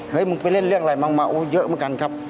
เฮ้ยมึงไปเล่นเรื่องอะไรมาเยอะเหมือนกันครับ